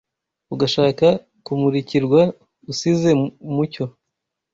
ugashaka kumurikirwa usize Mucyo